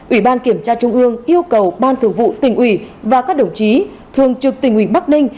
ủy ban kiểm tra trung ương yêu cầu ban thường vụ tỉnh ủy và các đồng chí thường trực tỉnh ủy bắc ninh